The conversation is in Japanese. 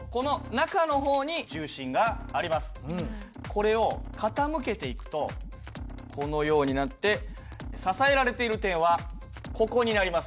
これを傾けていくとこのようになって支えられている点はここになります。